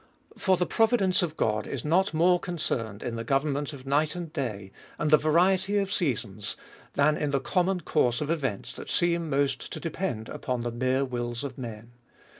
For the providence of God is not more concerned in the government of night and day, and the variety of seasons, than in the common course of events that seem most to depend upon the mere wills of men.